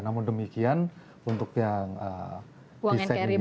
namun demikian untuk yang desain ini uang nkri ini